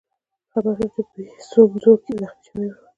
خبر شوم چې په ایسونزو کې زخمي شوی وئ.